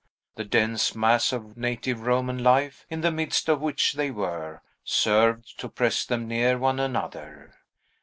The dense mass of native Roman life, in the midst of which they were, served to press them near one another.